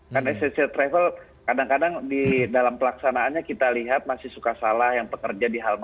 karena essential travel kadang kadang di dalam pelaksanaannya kita lihat masih suka salah yang pekerja di hal mahera